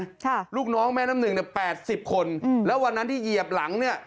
ใช่ลูกน้องแม่น้ำหนึ่งเนี่ย๘๐คนแล้ววันนั้นที่เหยียบหลังเนี่ย